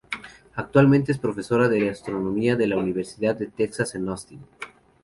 Actualmente es Profesora de Astronomía en la Universidad de Texas en Austin.